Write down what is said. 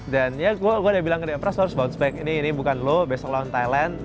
dan ya gue udah bilang ke dia pras harus bounce back ini ini bukan lo besok lawan thailand